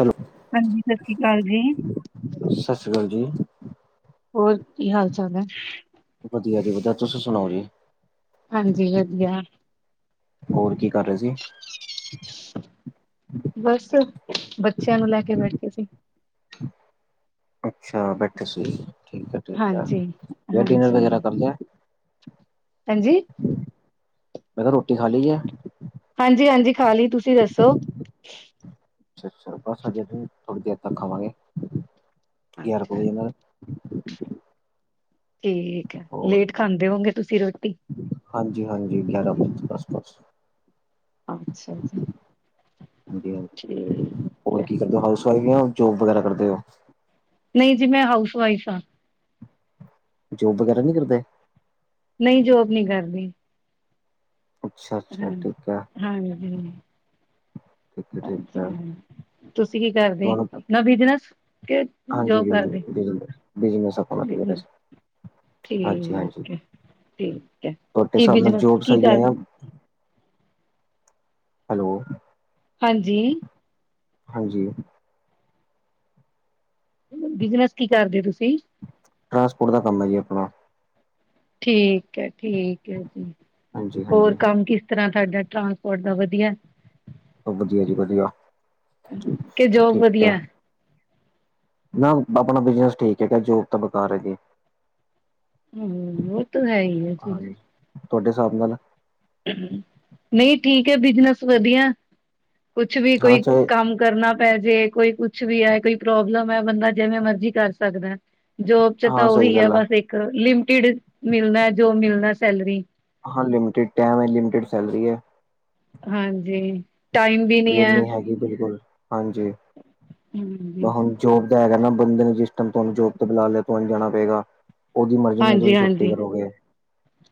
Hello ਹਾਂਜੀ ਸਾਸ ਸ੍ਰੀ ਕਾਲ ਜੀ। ਸਾ ਸ੍ਰੀ ਕਾਲ ਜੀ। ਹੋਰ, ਕੀ ਹਾਲ ਚਾਲ ਹੈ? ਵਧੀਆ ਜੀ ਵਧੀਆ ਤੁਸੀਂ ਸੁਣਾਓ ਜੀ। ਹਾਂਜੀ ਵਧੀਆ ਹੋਰ, ਕੀ ਕਰ ਰਹੇ ਸੀ? [inaudible] ਬਸ, ਬੱਚਿਆਂ ਨੂੰ ਲੈ ਕੇ ਬੈਠੇ ਸੀ। ਅੱਛਾ ਬੈਠੇ ਸੀ, ਠੀਕ ਹੈ-ਠੀਕ ਹੈ। ਹਾਂਜੀ, ਹੋਰ ਡਿਨਰ ਹਾਂਜੀ, ਵਗੈਰਾ ਕਰ ਲਿਆ ਹਾਂਜੀ। ਮੈ ਕੇਹਾ ਰੋਟੀ ਖਾ ਲਈ ਐ ਹਾਂਜੀ -ਹਾਂਜੀ ਖਾ ਲੀ, ਤੁਸੀਂ ਦੱਸੋ ਅੱਛਾ- ਅੱਛਾ! ਬਸ ਹਜੇ ਨੀਂ, ਥੋੜੀ ਦੇਰ ਤੱਕ ਖਾਵਾਂਗੇ ਗਿਆਰਾਂ ਕੋ ਅੱਛਾ ਵਜੇ ਨਾਲ ਠੀਕ ਹੈ, ਹੋਰ ਲੇਟ ਖਾਂਦੇ ਹੋਂਗੇ ਤੁਸੀਂ ਰੋਟੀ ਹਾਂਜੀ -ਹਾਂਜੀ, ਗਿਆਰਾਂ ਵਜੇ ਦੇ ਆਸ-ਪਾਸ ਅੱਛਾ ਜੀ! ਹਾਂਜੀ ਹਾਂਜੀ ਠੀਕ ਹੋਰ ਹੈ, ਕੀ ਕਰਦੇ ਹੋ, ਹਾਊਸ ਵਾਈਫ ਜਾਂ ਜੋਬ ਵਗੈਰਾ ਕਰਦੇ ਹੋ ਨਹੀਂ ਜੀ ਮੈਂ ਹਾਊਸ ਵਾਈਫ ਹਾਂ ਜੋਬ ਵਗੈਰਾ ਨਹੀਂ ਕਰਦੇ ਨਹੀਂ ਜੋਬ ਨਹੀਂ ਕਰਦੀ ਅੱਛਾ ਅੱਛਾ ਹਮ, ਠੀਕ ਹੈ ਹਾਂਜੀ। ਠੀਕ ਹੈ ਠੀਕ ਹੈ ਹਾਂਜੀ, ਤੁਸੀਂ ਕੀ ਕਰਦੋ? ਤੁਹਾਨੂੰ ਆਪਣਾ ਬਿਜ਼ਨਸ ਕੇ ਹਾਂਜੀ ਬਿਜ, ਬਿਜ ਬਿਜ਼ਨਸ ਆਪਣਾ ਵਧੀਆ ਬਿਜਨਸ ਬਸ ਠੀਕ ਹਾਂਜੀ-ਹਾਂਜੀ, ਹੈ, ਠੀਕ ਹੈ ਤੁਹਾਡੇ ਕੀ ਹਿਸਾਬ ਨਾਲ ਬਿਜਨਸ ਜੋਬ ਕੀ ਸਹੀ ਆ ਕਰ ਹੈਲੋ। ਹਾਂਜੀ। ਹਾਂਜੀ। ਬਿਜ਼ਨਸ ਕੀ ਕਰਦੇ ਹੋ ਤੁਸੀਂ? ਟਰਾਂਸਪੋਰਟ ਦਾ ਕੰਮ ਹੈ ਜੀ ਆਪਣਾ ਠੀਕ ਹੈ -ਠੀਕ ਹੈ ਜੀ, ਹਾਂਜੀ ਹੋਰ ਹਾਂਜੀ ਕੰਮ ਕਿਸ ਤਰ੍ਹਾਂ ਤੁਹਾਡਾ, ਟਰਾਂਸਪੋਰਟ ਦਾ ਵਧੀਆ [inaudible] ਵਧੀਆ ਜੀ ਵਧੀਆ, ਕਿ ਜੋਬ ਠੀਕ ਹੈ ਵਧੀਆ ਨਾ ਆਪਣਾ ਪਹਿਲਾ ਬਿਜ਼ਨਸ ਠੀਕ ਹੈਗਾ, ਜੋਬ ਤਾਂ ਬਕਾਰ ਹੈ ਜੀ ਹਮ ਵੋਤੋ ਹੈ ਹੀ ਹੈ ਜੀ ਹਾਂਜੀ ਤੁਹਾਡੇ ਹਿਸਾਬ ਨਾਲ ਨਹੀਂ ਠੀਕ ਹੈ ਬਿਜ਼ਨਸ ਵਧੀਆ, ਕੁਛ ਵੀ ਹਾਂ ਕੋਈ ਚਾਹੇ ਕੰਮ ਕਰਨਾ ਪੈ ਜੇ, ਕੋਈ ਕੁਛ ਵੀ ਹੈ, ਕੋਈ ਪ੍ਰੋਬਲਮ ਹੈ ਬੰਦਾ ਜਿਵੇਂ ਮਰਜ਼ੀ ਕਰ ਸਕਦੈ ਜੋਬ ਚ ਤਾਂ ਹਾਂ ਸਹੀ ਉਹੀ ਹੈ ਗੱਲ ਬਸ ਇੱਕ, ਲਿਮਟਿਡ ਮਿਲਨਾ ਹੈ ਜੋ ਮਿਲਨਾ ਸੈਲਰੀ ਹਾਂ ਲਿਮਟਿਡ ਟਾਈਮ ਹੈ, ਲਿਮਟਿਡ ਸੈਲਰੀ ਹੈ ਹਾਂਜੀ, ਟਾਈਮ ਵੀ ਨੀ ਹੈ ਹਾਂਜੀ ਬਿਲਕੁਲ ਹਾਂਜੀ। ਆ ਹਾਂਜੀ ਹੁਣ ਜੋਬ ਦਾ ਹੈਗਾ ਨਾ, ਬੰਦੇ ਨੇ ਜਿਸ ਟਾਈਮ ਤੁਹਾਨੂੰ ਜੋਬ ਤੇ ਬੁਲਾ ਲਿਆ ਤੁਹਾਨੂੰ ਜਾਣਾ ਪਏਗਾ। ਉਹਦੀ ਮਰਜ਼ੀ ਨੂੰ ਹਾਂਜੀ ਤੁਸੀਂ ਛੁੱਟੀ ਹਾਂਜੀ ਕਰੋਗੇ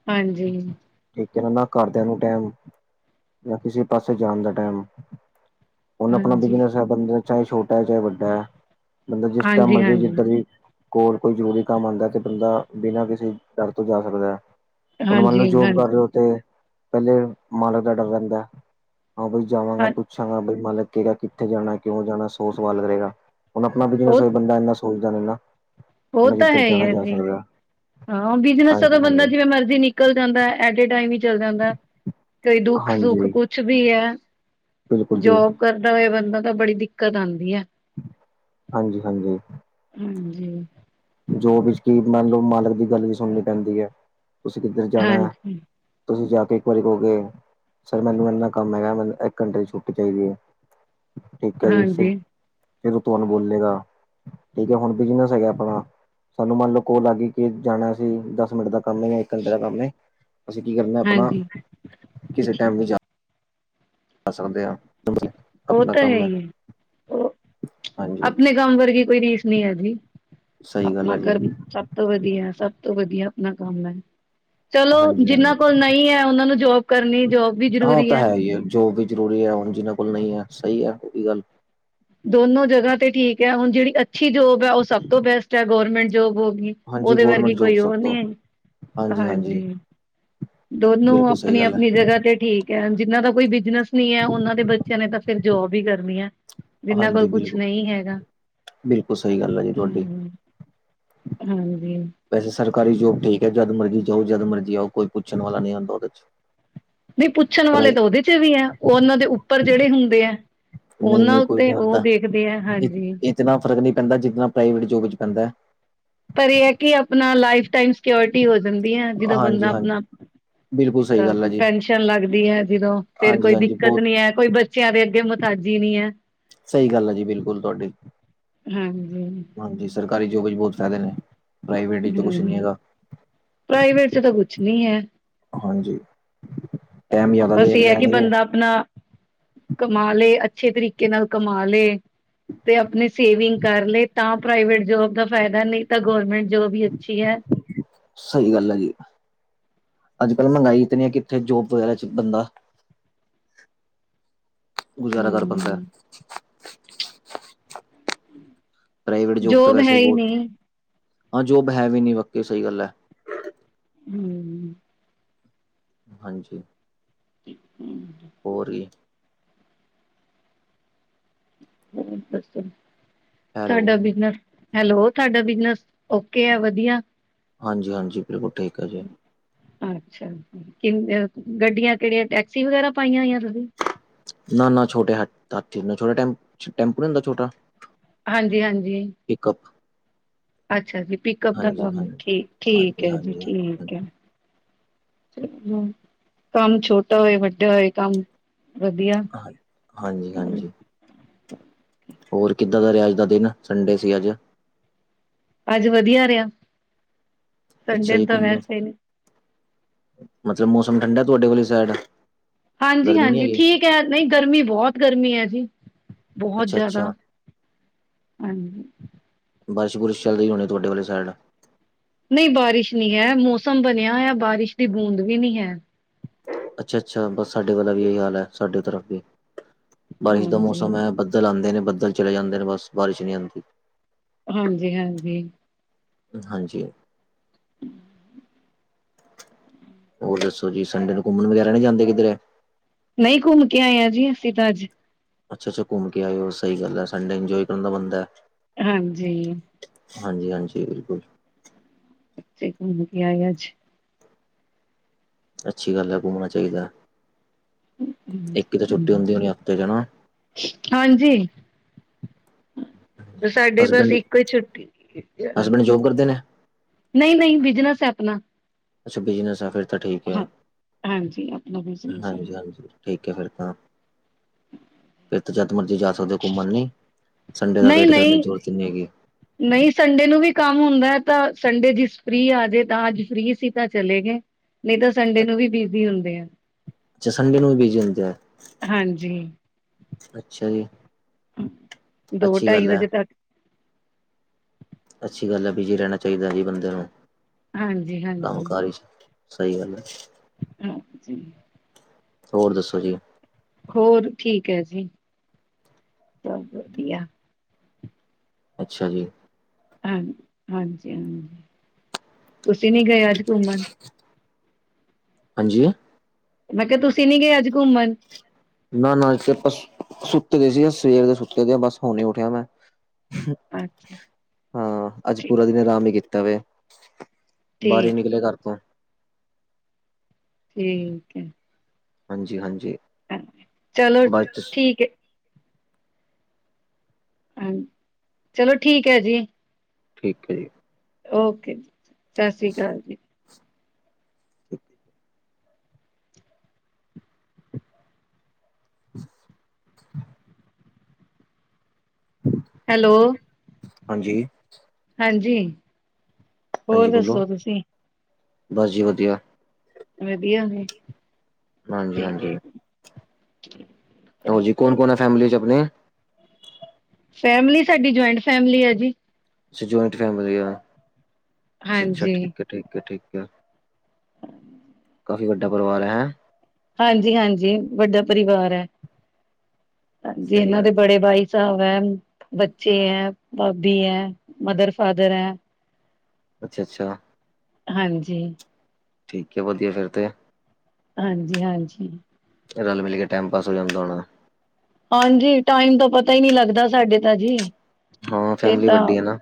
ਹਾਂਜੀ, ਠੀਕ ਹੈ ਨਾ, ਨਾ ਘਰਦਿਆਂ ਨੂੰ ਟੈਮ, ਨਾ ਕਿਸੇ ਪਾਸੇ ਜਾਣ ਦਾ ਟੈਮ ਹੁਣ ਆਪਣਾ ਹਾਂਜੀ, ਬਿਜਨਸ ਹੈ ਬੰਦੇ ਚਾਹੇ ਛੋਟਾ ਹੈ, ਚਾਹੇ ਵੱਡਾ ਹੈ ਬੰਦਾ ਜਿਸ ਟੈਮ ਹਾਂਜੀ, ਮਰਜ਼ੀ ਹਾਂਜੀ, ਜਿੱਧਰ ਵੀ ਕੋਲ਼ ਕੋਈ ਜ਼ਰੂਰੀ ਕੰਮ ਆਂਦੈ, ਤੇ ਬੰਦਾ ਬਿਨਾਂ ਕਿਸੀ ਡਰ ਤੋ ਜਾ ਸਕਦੈ। ਹੁਨ ਮੰਨ ਲੋ ਹਾਂਜੀ, ਜੋਬ ਕਰ ਹਾਂਜੀ। ਰੇਓ ਤੇ ਪੈਲੇ ਮਾਲਕ ਦਾ ਡਰ ਰੈਂਦੈ, ਹਾਂ ਬਈ ਜਾਵਾਂਗਾ ਹਾਂ ਪੁਛਾਂਗਾ ਬਈ ਮਾਲਕ ਕਏਗਾ ਕਿੱਥੇ ਜਾਨੈ, ਕਿਓਂ ਜਾਨੈ ਸੌ ਸਵਾਲ ਕਰੇਗਾ, ਹੁਨ ਅਪਨਾ ਬਿਜ਼ਨਸ ਹੋਏ ਬੰਦਾ ਏਨਾ ਸੋਚਦਾ ਨੀ ਨਾ ਓ ਹੁਣ ਤਾ ਜਿੱਧਰ ਹੈਈ ਜਾਣਾ ਐ ਜਾ ਜੀ, ਸਕਦਾ ਹਾਂ ਬਿਜ਼ਨਸ ਆਲਾ ਹਾਂਜੀ ਬੰਦਾ ਹਾਂਜੀ। ਜਿਵੇਂ ਮਰਜ਼ੀ ਨਿ ਨਿਕਲ ਜਾਂਦੈ, ਐਟੇ ਟਾਈਮ ਈ ਚੱਲ ਜਾਂਦੈ ਤੇ ਦੁੱਖ ਸੁੱਖ ਹਾਂਜੀ ਕੁਛ ਵੀ ਐ। ਬਿਲਕੁਲ ਜੀ ਜੋਬ ਕਰਦਾ ਹੋਏ ਬੰਦਾ ਤਾਂ ਬੜੀ ਦਿੱਕਤ ਆਂਦੀ ਐ। ਹਾਂਜੀ-ਹਾਂਜੀ। ਹਾਂਜੀ। ਜੋਬ ਇੱਚ ਕੀ ਮੰਨ ਲੋ ਮਾਲਕ ਦੀ ਗੱਲ ਵੀ ਸੁਨਨੀ ਪੈਂਦੀ ਐ, ਤੁਸੀ ਕਿੱਧਰ ਜਾਨੈ ਹਾਂਜੀ, ਤੁਸੀ ਜਾ ਕੇ ਇੱਕ ਵਾਰੀ ਕਓਗੇ। ਸਰ ਮੈਨੂੰ ਇੰਨਾ ਕੰਮ ਹੈਗੈ, ਮੈਨੂੰ ਇੱਕ ਘੰਟੇ ਦੀ ਛੁੱਟੀ ਚਾਈਦੀ ਏ। ਠੀਕ ਐ ਜੀ, ਸਿਰ ਹਾਂਜੀ, ਫੇਰ ਓ ਤੋਆਨੂੰ ਬੋਲੇਗਾ ਠੀਕ ਐ ਹੁਣ ਬਿਜਨਸ ਹੈਗੈ ਅਪਨਾ ਸਾਨੂੰ ਮੰਨ ਲੋ ਕੋਲ ਆ ਗੀ ਕੇ ਜਾਣੈ ਅਸੀ, ਦਸ ਮਿੰਟ ਦਾ ਕੰਮ ਹੈਗੈ। ਘੰਟੇ ਦਾ ਕੰਮ ਏ, ਅਸੀ ਕੀ ਕਰਨੈ ਆਪਨਾ ਹਾਂਜੀ ਕਿਸੇ ਟੈਮ ਵੀ ਜਾ ਆ ਸਕਦੇ ਆ [unintelligible] ਓ ਤਾ ਹੈ ਈ ਏ, ਓ ਹਾਂਜੀ ਆਪਨੇ ਕੰਮ ਵਰਗੀ ਕੋਈ ਰੀਸ ਨੀਂ ਹੈ ਜੀ। ਸਹੀ ਗੱਲ ਅਪਨਾ ਹੈ ਜੀ ਕਰਮ ਸਬ ਤੋਂ ਵਦੀਐ, ਸਬ ਤੋਂ ਵਦੀਆ ਅਪਨਾ ਕੰਮ ਐ। ਚਲੋ, ਹਾਂਜੀ ਹਾਂਜੀ ਜਿੰਨਾਂ ਕੋਲ ਨਈ ਐ ਓਨਾਂ ਨੂੰ ਜੋਬ ਕਰਨੀ ਜੋਬ ਵੀ ਹਾਂ ਉਹ ਜ਼ਰੂਰੀ ਤਾਂ ਐ। ਹੈ ਹੀ ਹੈ ਜੋਬ ਵੀ ਜ਼ਰੂਰੀ ਐ, ਹੁਨ ਜਿੰਨਾਂ ਕੋਲ਼ ਨਈ ਐ, ਸਈ ਐ ਓਵੀ ਗੱਲ। ਦੋਨੋਂ ਜਗਾ ਤੇ ਠੀਕ ਐ ਹੁਨ ਜੇੜੀ ਅੱਛੀ ਜੋਬ ਐ, ਓ ਸਬ ਤੋ ਬੈਸਟ ਐ ਗੌਰਮੇਂਟ ਜੋਬ ਹੋਗੀ। ਹਾਂਜੀ ਓਦੇ ਗੌਰਮੈਂਟ ਵਰਗੀ ਜੋਬ ਕੋਈ ਸਭ ਓ ਤੋਂ ਨੀ ਐ, ਹਾਂਜੀ। ਦੋਨੋਂ ਬਿਲਕੁਲ ਸਹੀ ਗੱਲ ਹੈ ਆਪਨੀ-ਆਪਨੀ ਜਗਾ ਤੇ ਠੀਕ ਕੇ ਜਿੰਨਾਂ ਦਾ ਕੋਈ ਬਿਜਨਸ ਨੀ ਐ, ਓਨਾਂ ਦੇ ਬੱਚੇਆਂ ਨੇ ਤਾਂ ਫੇਰ ਜੋਬ ਈ ਕਰਨੀ ਐ। ਜਿੰਨਾਂ ਕੋਲ ਹਾਂਜੀ ਕੁਛ ਬਿਲਕੁਲ ਨਈ ਹੈਗਾ, ਬਿਲਕੁਲ ਸਹੀ ਗੱਲ ਹੈ ਜੀ ਤੁਹਾਡੀ ਹੂੰ। ਹਾਂਜੀ ਵੈਸੇ ਸਰਕਾਰੀ ਜੋਬ ਠੀਕ ਐ, ਜਦ ਮਰਜ਼ੀ ਜਾਓ, ਜਦ ਮਰਜ਼ੀ ਆਓ ਕੋਈ ਪੁੱਛਨ ਵਾਲਾ ਨੀ ਆਂਦਾ ਓਦੇ ਚ ਨਈ ਪੁੱਛਨ ਪਰ ਵਾਲੇ ਤਾ ਓਦੇ ਚ ਵੀ ਐ, ਓ ਉਨਾਂ ਦੇ ਉੱਪਰ ਜੇੜੇ ਹੁੰਦੇ ਐ। ਨਹੀਂ ਓਨਾਂ ਨਹੀਂ ਕੋਈ ਨੀ ਉੱਤੇ ਹੁੰਦਾ ਓ ਦੇਖਦੇ ਐ, ਇ ਹਾਂਜੀ। ਇਤਨਾ ਫ਼ਰਕ ਨੀ ਪੈਂਦਾ, ਜਿਤਨਾ ਪ੍ਰਾਈਵੇਟ ਜੋਬ ਚ ਪੈਂਦੈ। ਪਰ ਏ ਐ ਕਿ ਅਪਨਾ ਲਾਈਫ ਟਾਈਮ ਸਿਕਿਓਰਟੀ ਹੋ ਜਾਂਦੀ ਐ ਜੀਦੋਂ ਬੰਦਾ ਹਾਂਜੀ ਹਾਂਜੀ ਆਪਨਾ ਬਿਲਕੁਲ ਸਹੀ ਗੱਲ ਹੈ ਅ ਜੀ ਟੈਨਸ਼ਨ ਲੱਗਦੀ ਹੈ ਜਿਦੋਂ ਫੇਰ ਹਾਂਜੀ ਕੋਈ ਹਾਂਜੀ ਦਿੱਕਤ ਬਹੁਤ ਨੀ ਐ, ਕੋਈ ਬ ਬਚੇਆਂ ਦੇ ਅੱਗੇ ਮੁਥਾਜੀ ਨੀ ਐ। ਸਈ ਗੱਲ ਆ ਜੀ, ਬਿਲਕੁਲ ਤੁਆਡੀ। ਹਾਂਜੀ। ਹਾਂਜੀ, ਸਰਕਾਰੀ ਜੋਬ ਚ ਬੋਤ ਫੈਦੇ ਨੇ। ਪ੍ਰਾਈਵੇਟ ਇੱਚ ਤਾ ਕੁਛ ਨੀ ਹੂੰ ਹੈਗਾ। ਪ੍ਰਾਈਵੇਟ ਚ ਤਾਂ ਕੁਛ ਨੀ ਹੈ ਹਾਂਜੀ, ਟੈਮ ਜਾਦਾ ਦੇ ਲੈਨਗੇ। ਅਪਨਾ, ਕਮਾ ਲੇ ਅੱਛੇ ਤਰੀਕੇ ਨਾਲ਼ ਕਮਾ ਲੇ। ਤੇ ਅਪਨੀ ਸੇਵਿੰਗ ਕਰ ਲੇ, ਤਾਂ ਪ੍ਰਾਈਵੇਟ ਜੋਬ ਦਾ ਫੈਦੈ ਨਈ ਤਾ ਗੌਰਮੈਂਟ ਜੋਬ ਈ ਅੱਛੀ ਐ। ਸਈ ਗੱਲ ਆ ਜੀ। ਅੱਜ-ਕੱਲ ਮੰਗਾਈ ਇਤਨੀ ਐ ਕਿੱਥੇ ਜੋਬ ਵਗੈਰਾ ਚ ਬੰਦਾ ਗੁਜ਼ਾਰਾ ਕਰ ਪਾਂਦੈ। ਹੂੰ। ਪ੍ਰਾਈਵੇਟ ਜੋਬ ਤਾਂ ਵੈਸੇ ਹੈ ਈ ਹੀ ਬੋਤ, ਨਹੀਂ। ਹਾਂ ਜੋਬ ਹੈ ਵੀ ਨੀ, ਵਾਕਈ ਸਹੀ ਗੱਲ ਐ। ਹੂੰ। ਹਾਂਜੀ। [inaudible] ਹੋਰ ਵੀ। ਦੱਸੋ, ਹੈਲੋ ਤੁਹਾਡਾ ਬਿਜਨਸ ਹੈਲੋ, ਤੁਹਾਡਾ ਬਿਜਨਸ, ਓਕੇ ਆ, ਵਦੀਆ। ਹਾਂਜੀ-ਹਾਂਜੀ, ਬਿਲਕੁਲ ਠੀਕ ਆ ਜੀ। ਅੱਛਾ, ਕੇ ਗੱਡੀਆਂ ਕੇੜੀਆਂ ਟੈਕਸੀ ਵਗੈਰਾ ਪਾਈਆਂ ਹੋਈਆ ਤੁਸੀਂ? ਨਾ- ਨਾ, ਛੋਟੇ ਹ ਹਾਥੀ, ਨਾ ਛੋਟੇ ਟੈਂਪ- ਛੋਟੇ ਟੈਂਪੂ ਨੀ ਹੁੰਦਾ ਛੋਟਾ। ਹਾਂਜੀ-ਹਾਂਜੀ। ਪਿਕਅਪ। ਅੱਛਾ ਜੀ, ਪਿਕਅਪ ਦਾ ਹਾਂਜੀ ਕੰਮ, ਹਾਂਜੀ ਠੀ- ਠੀਕ ਹਾਂਜੀ ਐ ਜੀ ਹਾਂਜੀ ਹਾਂ ਠੀਕ ਐ। ਹੂੰ, ਕੰਮ ਛੋਟਾ ਹੋਏ, ਵੱਡਾ ਹੋਏ, ਕੰਮ। ਵਧੀਆ। ਹਾਂ, ਹਾਂਜੀ-ਹਾਂਜੀ। ਹੋਰ, ਕਿੱਦਾਂ ਦਾ ਰੇਆ ਅਜ ਦਾ ਦਿਨ? ਸੰਡੇ ਸੀ ਅੱਜ। ਅੱਜ ਵਦੀਆ ਰੇਆ। ਅੱਛਾ ਜੀ, ਘੁੰਮਣ? ਨੀ ਮਤਲਬ ਮੌਸਮ ਠੰਡਾ ਤੁਹਾਡੇ ਵਾਲੀ ਸਾਈਡ। ਗਰਮੀ ਨੀ ਹਾਂਜੀ-ਹਾਂਜੀ, ਹੈਗੀ ਠੀਕ ਐ, ਨਈ ਗਰਮੀ ਬੋਤ ਗਰਮੀ ਐ ਜੀ। ਬੋਹਤ ਅੱਛਾ ਜਾਦਾ, ਅੱਛਾ ਹਾਂਜੀ। ਬਾਰਸ਼- ਬੁਰਸ਼ ਚੱਲਦੀ ਹੋਨੀ ਤੁਹਾਡੇ ਵਾਲੇ ਸਾਈਡ। ਨਈ ਬਾਰਿਸ਼ ਨੀ ਐ, ਮੌਸਮ ਬਨਿਆ ਹੋਇਐ, ਬਾਰਿਸ਼ ਦੀ ਬੂੰਦ ਵੀ ਨੀ ਐ। ਅੱਛਾ-ਅੱਛਾ, ਬਸ ਸਾਡੇ ਵਾਲਾ ਵੀ ਏਈ ਹਾਲ ਹੈ ਸਾਡੇ ਤਰਫ, ਬਾਰਿਸ਼ ਦਾ ਹਾਂਜੀ ਮੌਸਮ ਹੈ ਬਸ। ਬੱਦਲ ਆਦੇਂ ਨੇ, ਬੱਦਲ ਚਲੇ ਜਾਂਦੇ ਨੇ, ਬਸ ਬਾਰਿਸ਼ ਨੀ ਆਂਦੀ। ਹਾਂਜੀ-ਹਾਂਜੀ। ਹਾਂਜੀ। ਹੋਰ ਦੱਸੋ ਜੀ, ਸੰਡੇ ਨੂੰ ਘੁੰਮਨ ਵਗੈਰਾ ਨੀ ਜਾਂਦੇ ਕਿਧਰੇ? ਨਈ ਘੁੰਮ ਕੇ ਆਏ ਆ ਜੀ, ਅਸੀਂ ਤਾਂ ਅੱਜ। ਅੱਛਾ -ਅੱਛਾ ਘੁੰਮ ਕੇ ਆਏ ਓ, ਸਹੀ ਗੱਲ ਐ, ਸੰਡੇ ਇੰਜੋਏ ਕਰਨ ਦਾ ਬੰਨਦੈ। ਹਾਂਜੀ। ਹਾਂਜੀ-ਹਾਂਜੀ, ਬਿਲਕੁਲ। ਕਿਥੇ ਘੁੰਮ ਕੇ ਆਏ ਅੱਜ? ਅੱਛੀ ਗੱਲ ਐ, ਘੁੰਮਨਾ ਚਾਈਦਾ। ਇੱਕ ਈ ਤਾਂ ਛੁੱਟੀ ਹੁੰਦੀ ਹੋਨੀ ਹਫ਼ਤੇ 'ਚ ਹੈਨਾ? ਹਾਂਜੀ। ਸਾਡੇ ਬਸ ਹਸਬੈਂਡ ਇੱਕੋ ਈ ਛੁੱਟੀ, ਹੈ। ਹਸਬੈਂਡ ਜੋਬ ਕਰਦੇ ਨੇ ਨਈ-ਨਈ, ਬਿਜਨਸ ਐ ਅਪਨਾ। ਅੱਛਾ ਬਿਜਨਸ ਐ, ਫਿਰ ਤਾਂ ਠੀਕ ਐ। ਹਾਂਜੀ ਆਪਣਾ ਬਿਜਨਸ ਹੈ। ਹਾਂਜੀ-ਹਾਂਜੀ। ਠੀਕ ਐ ਫਿਰ ਤਾਂ, ਫਿਰ ਤਾਂ ਜਦ ਮਰਜੀ ਜਾ ਓਦੋਂ ਘੁੰਮਨ ਲਈ, ਸੰਡੇ ਦਾ ਵੇਟ ਕਰਨ ਜ਼ਰੂਰਤ ਨੀ ਹੈਗੀ। ਨਈ ਸੰਡੇ ਨੂੰ ਵੀ ਕੰਮ ਹੁੰਦਾ। ਤਾਂ ਸੰਡੇ ਜਿਸ ਫਰੀ ਆ ਜੇ, ਤਾਂ ਅੱਜ ਫ੍ਰੀ ਸੀ ਤਾਂ ਚਲੇ ਗਏ। ਨਈ, ਤਾਂ ਸੰਡੇ ਨੂੰ ਵੀ ਬਿਜ਼ੀ ਹੁੰਦੇ ਆ। ਅੱਛਾ, ਸੰਡੇ ਨੂੰ ਵੀ ਬਿਜ਼ੀ ਹੁੰਦੇ ਆ, ਹਾਂਜੀ। ਅੱਛਾ ਜੀ। ਦੋ ਅੱਛੀ ਢਾਈ ਗੱਲ ਹੈ ਵਜੇ ਤੱਕ ਅੱਛੀ ਗੱਲ ਐ, ਬਿਜ਼ੀ ਰੈਣਾ ਚਾਈਦਾ ਜੀ ਬੰਦਿਆਂ ਨੂੰ, ਹਾਂਜੀ-ਹਾਂਜੀ, ਹਾਂਜੀ। ਕੰਮ-ਕਾਰ ਵਿਚ। ਸਈ ਗੱਲ ਐ। ਹਾਂ ਜੀ। ਔਰ ਦੱਸੋ ਜੀ? ਹੋਰ ਠੀਕ ਐ ਜੀ [unintelligible] ਅੱਛਾ ਜੀ। ਹਨ, ਹਾਂਜੀ-ਹਾਂਜੀ, ਤੁਸੀਂ ਨੀ ਗਏ ਅੱਜ ਘੁੰਮਣ? [inaudible] ਹਾਂਜੀ ਮੈਂ ਕੇਆ ਤੁਸੀਂ ਨੀ ਗਏ ਅੱਜ ਘੁੰਮਣ? ਨਾ-ਨਾ, ਅੱਜ ਤੇ ਪਸ ਸੁੱਤੇ ਦੇ ਸੀ ਅੱਜ ਸਵੇਰੇ ਦੇ ਸੁੱਤੇ ਦੇ ਆ, ਬਸ ਹੁਣੇ ਉਠੇਆ ਮੈਂ। ਅੱਛਾ। ਹਾਂ, ਅੱਜ ਠੀਕ ਪੂਰਾ ਦਿਨ ਆਰਾਮ ਈ ਕੀਤਾ ਵੇ, [inaudible] ਬਾਰ ਈ ਠੀਕ ਨੀ ਨਿਕਲੇ ਕਾਰ ਤੋਂ। ਠੀਕ ਏ। ਹਾਂਜੀ-ਹਾਂਜੀ। ਹਾਂਜੀ, ਚਲੋ ਠੀਕ ਏ। ਹਨ, ਚਲੋ ਠੀਕ ਐ ਜੀ। ਠੀਕ ਐ ਜੀ। ਓਕੇ ਜੀ, ਸਤਿ ਸ਼੍ਰੀ ਕਾਲ ਜੀ। [inaudible] ਹੈਲੋ ਹਾਂਜੀ [inaudible] ਹਾਂਜੀ। ਹੋਰ ਹਾਂਜੀ ਬੋਲੋ, ਦੱਸੋ ਤੁਸੀਂ ਬਸ ਜੀ ਵਧੀਆ। ਵਧੀਆ ਵੇ। ਹਾਂਜੀ-ਹਾਂਜੀ। ਹੈ ਔਰ ਜੀ ਕੋਣ-ਕੋਣ ਐ ਫੈਮਿਲੀ ਚ ਅਪਣੇ? ਫੈਮਿਲੀ ਸਾਡੀ ਜੁਆਇੰਟ ਫੈਮਿਲੀ ਐ ਜੀ। ਅੱਛਾ ਜੁਆਇੰਟ ਫੈਮਿਲੀ ਆ, ਅੱਛਾ-ਅੱਛਾ, ਹਾਂਜੀ ਠੀਕੈ-ਠੀਕੈ- ਠੀਕੈ। ਕਾਫ਼ੀ ਵੱਡਾ ਪਰਿਵਾਰ ਹੈਂ? ਹਾਂਜੀ-ਹਾਂਜੀ ਵੱਡਾ ਪਰਿਵਾਰ ਐ, ਹਾਂਜੀ, ਸਹੀ ਏਹਨਾਂ ਦੇ ਗੱਲ, ਬੜੇ ਭਾਈ ਸਬ ਐਂ, ਬੱਚੇ ਐ ਭਾਬੀ ਐ, ਮਦਰ ਫਾਦਰ ਐ। ਅੱਛਾ-ਅੱਛਾ। ਹਾਂਜੀ। ਠੀਕੈ, ਵਧੀਆ ਏ ਫਿਰ ਤੇ। ਹਾਂਜੀ-ਹਾਂਜੀ। ਰਲ ਮਿਲ ਕੇ ਟੈਮ ਪਾਸ ਹੋ ਜਾਂਦਾ ਹੋਣਾ। ਹਾਂਜੀ ਟਾਈਮ ਦਾ ਪਤਾ ਈ ਨੀ ਲੱਗਦਾ ਸਾਡੇ ਤਾਂ ਜੀ। ਹਾਂ ਇਹ ਫੈਮਿਲੀ ਤਾਂ ਵੱਡੀ ਐ ਨਾ।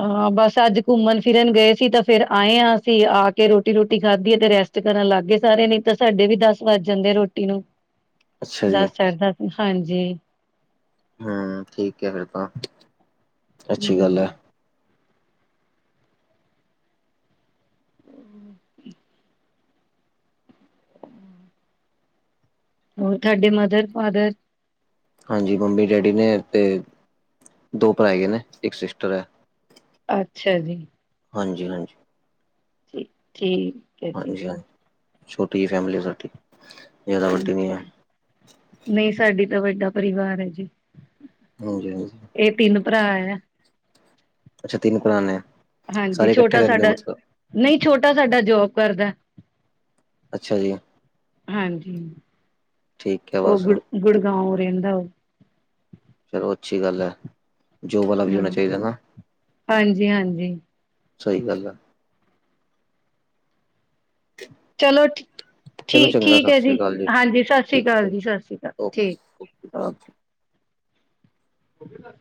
ਹਾਂ, ਬਸ ਅੱਜ ਘੁੰਮਣ ਫਿਰਨ ਗਏ ਸੀ ਤਾਂ ਫਿਰ ਆਂਏ ਆਂ ਅਸੀਂ, ਆ ਕੇ ਰੋਟੀ ਰੂਟੀ ਖਾਧੀ ਏ ਤੇ ਰੈਸ ਟ ਕਰਨ ਲੱਗ ਗਏ ਸਾਰੇ ਨੀ ਤਾਂ ਸਾਡੇ ਵੀ ਦਸ ਵੱਜ ਜਾਂਦੇ ਰੋਟੀ ਨੂੰ। ਅੱਛਾ ਜੀ। ਦਸ ਐਦਾਂ ਹਾਂਜੀ। ਹਮ ਠੀਕੈ ਫਿਰ ਤਾਂ, ਅੱਛੀ ਗੱਲ ਐ। ਹਮ [unintelligible] ਹੋਰ ਥਾਡੇ ਮਦਰ ਫਾਦਰ ਹਾਂਜੀ ਮੰਮੀ ਡੈਡੀ ਨੇ ਤੇ ਦੋ ਭਾਈ ਨੇ, ਇੱਕ ਸਿਸਟਰ ਐ। ਅੱਛਾ ਜੀ। ਹਾਂਜੀ-ਹਾਂਜੀ। ਠੀ, ਠੀ ਹਾਂਜੀ-ਹਾਂ, ਛੋਟੀ ਜੀ ਫੈਮਿਲੀ ਸਾਡੀ। ਜ਼ਿਆਦਾ ਵੱਡੀ ਨੀ ਅੱਛਾ, ਐ, ਨਈ ਸਾਡੀ ਤਾਂ ਵੱਡਾ ਪਰਿਵਾਰ ਐ ਜੀ। ਹਾਂਜੀ-ਹਾਂਜੀ। ਏ ਤਿੰਨ ਪਰਾ ਯਾ ਅੱਛਾ ਤਿੰਨ ਪਰਾ ਨੇ‌ ਐ। ਹਾਂਜੀ, ਛੋਟਾ ਸਾਡਾ ਨਈਂ ਛੋਟਾ ਸਾਡਾ ਜੋਬ ਕਰਦਾ। ਅੱਛਾ ਜੀ। ਹਾਂਜੀ, ਠੀਕ ਐ ਓ ਬਸ, ਗੁੜ ਗੁੜਗਾਓਂ ਰੈਂਦਾ ਓ ਚਲੋ ਅੱਛੀ ਗੱਲ ਐ, ਜੋਬ ਵਾਲਾ ਵੀ ਹਾਂ ਹੋਣਾ ਚਾਈਦਾ ਨਾ। ਹਾਂਜੀ ਹਾਂਜੀ ਸਈ ਗੱਲ ਐ। ਚਲੋ ਠੀ ਠੀ ਚਲੋ ਚੰਗਾ ਠੀਕ ਸਤਿ ਐ ਜੀ ਸ੍ਰੀ ਅਕਾਲ ਹਾਂਜੀ ਸਾਸ ਸ੍ਰੀ ਠੀਕ ਕਾਲ ਹੈ ਜੀ-ਸਾਸ ਸ਼੍ਰੀ ਕਾਲ ਠੀਕ ਓਕੇ ਓਕੇ। ਹੋਗੇ ਦੱਸ-ਵੀ।